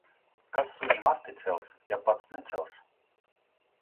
Kas sunim asti cels, ja pats necels.